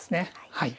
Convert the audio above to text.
はい。